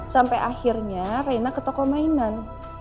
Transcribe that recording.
sampai akhirnya reina ke toko mainan